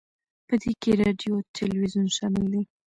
په دې کې راډیو او تلویزیون شامل دي